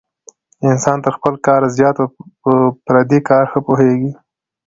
انسان تر خپل کار زیات په پردي کار ښه پوهېږي.